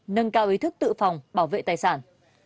nâng cao ý thức tự phòng bảo vệ tài sản